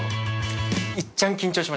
ちゃん緊張しました。